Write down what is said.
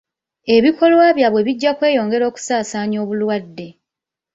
Ebikolwa byabwe bijja kweyongera okusaasaanya obulwadde.